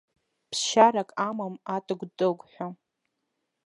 Ԥсшьарак амам атыгә-тыгәҳәа.